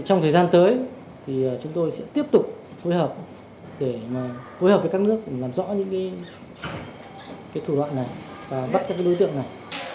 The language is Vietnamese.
trong thời gian tới chúng tôi sẽ tiếp tục phối hợp với các nước làm rõ những thủ đoạn này và bắt các đối tượng này